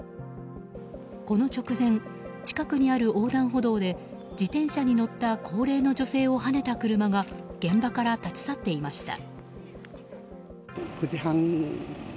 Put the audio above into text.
この直前、近くにある横断歩道で自転車に乗った高齢の女性をはねた車が現場から立ち去っていました。